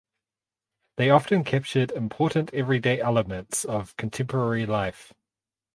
They often captured important everyday elements of contemporary life.